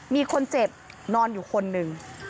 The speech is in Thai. มีคนเจ็บนอนอยู่คนหนึ่ง